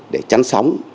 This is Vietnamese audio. để trắng sóng